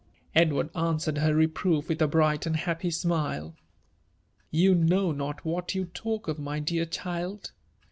Edward answered her reproot with a bright and happy smile— " You know not what you talk of, my dear child.